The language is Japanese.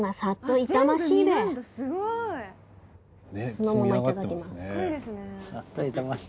そのままいただきます。